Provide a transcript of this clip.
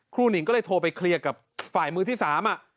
หนิงก็เลยโทรไปเคลียร์กับฝ่ายมือที่สาม